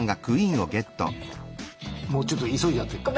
もうちょっと急いじゃってるから。